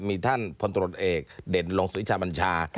มีท่านพลตรวจเอกเด่นลงศรีชาบัญชา